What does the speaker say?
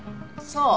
そう。